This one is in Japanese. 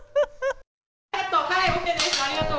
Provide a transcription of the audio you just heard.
ありがとう。